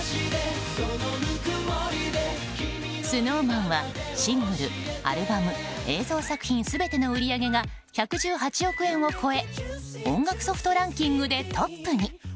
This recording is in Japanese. ＳｎｏｗＭａｎはシングル、アルバム映像作品全ての売り上げが１１８億円を超え音楽ソフトランキングでトップに。